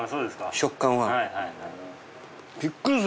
食感は。